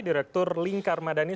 direktur lingkar madani